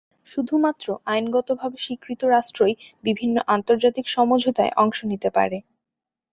শুধুমাত্র আইনগতভাবে স্বীকৃত রাষ্ট্রই বিভিন্ন আন্তর্জাতিক সমঝোতায় অংশ নিতে পারে।